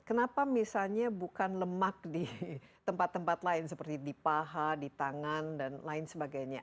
kenapa misalnya bukan lemak di tempat tempat lain seperti di paha di tangan dan lain sebagainya